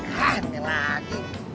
hah nanti lagi